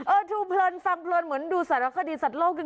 ดูเพลินฟังเพลินเหมือนดูสารคดีสัตว์โลกจริง